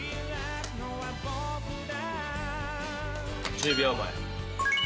１０秒前。